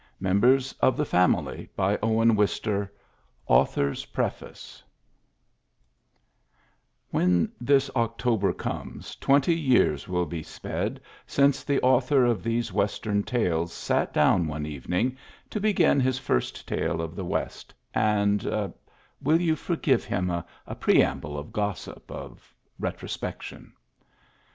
— SOMMBT CIX. Digitized by VjOOQIC Digitized by VjOOQIC PREFACE When this October comes, twenty years will be sped since the author of these Western tales sat down one evening to begin his first tale of the West, and — will you forgive him a preamble of gossip, of retrospection?